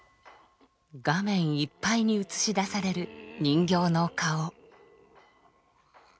画面いっぱいに映し出される人形の顔。